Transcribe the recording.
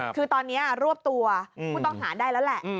คือตอนนี้รวบตัวผู้ต้องหาได้แล้วแหละ